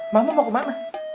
mama mau kemana